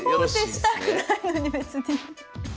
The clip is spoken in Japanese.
王手したくないのに別に。